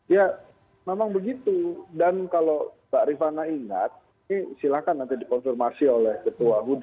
ya memang begitu dan kalau mbak rifana ingat ini silahkan nanti dikonfirmasi oleh ketua buddha